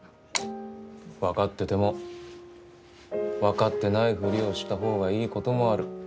分かってても分かってないふりをした方がいいこともある。